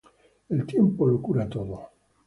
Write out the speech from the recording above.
El tiempo lo cura todo.